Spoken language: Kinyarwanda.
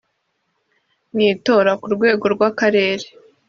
mu itora ku rwego rw’akarere